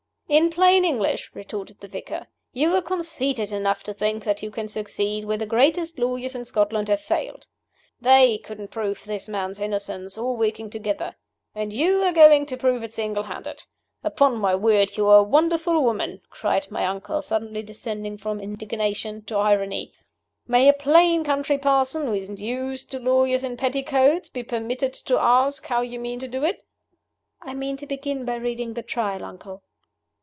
"In plain English," retorted the vicar, "you are conceited enough to think that you can succeed where the greatest lawyers in Scotland have failed. They couldn't prove this man's innocence, all working together. And you are going to prove it single handed? Upon my word, you are a wonderful woman," cried my uncle, suddenly descending from indignation to irony. "May a plain country parson, who isn't used to lawyers in petticoats, be permitted to ask how you mean to do it?" "I mean to begin by reading the Trial, uncle."